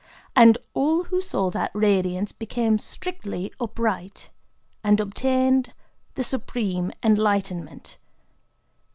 And all who saw that radiance became strictly upright, and obtained the Supreme Enlightenment."